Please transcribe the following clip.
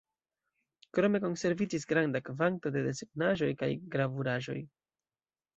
Krome konserviĝis granda kvanto de desegnaĵoj kaj gravuraĵoj.